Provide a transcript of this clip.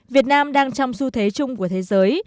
việt nam đang trong xu thế chung của thế giới